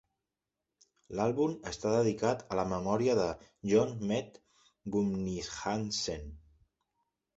L'àlbum està dedicat a la memòria de John Med Gummihandsken.